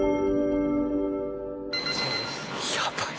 やばい！